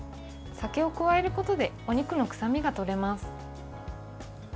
酒を加えることでお肉の臭みが取れます。